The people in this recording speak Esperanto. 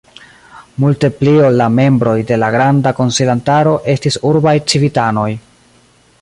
Multe pli ol la membroj de la granda konsilantaro estis urbaj civitanoj.